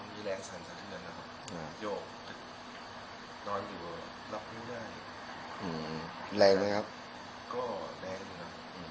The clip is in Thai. โยกนอนอยู่รับรู้ได้อืมแรงไหมครับก็แรงดินะอืม